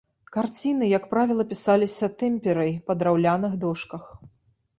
Карціны, як правіла, пісаліся тэмперай па драўляных дошках.